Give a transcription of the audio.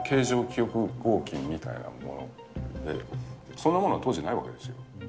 記憶合金みたいなもので、そんなもの当時ないわけですよ。